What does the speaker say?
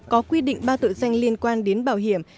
có quy định ba tự doanh liên quan đến bảo hiểm